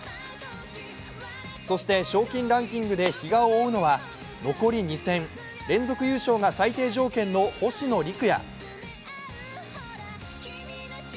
そして賞金ランキングで比嘉を追うのは残り２戦、連続優勝が最低条件の星野陸也。